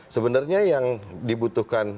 sebenarnya yang dibutuhkan